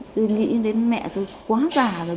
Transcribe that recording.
tôi nghĩ đến mẹ tôi quá già rồi